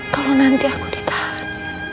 kalau nanti aku ditahan